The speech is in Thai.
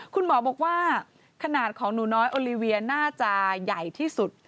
คุณหมอบอกว่าขนาดของหนูน้อยโอลิเวียน่าจะใหญ่ที่สุด